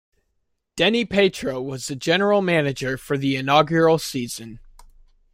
Denny Petro was the General Manager for the inaugural season.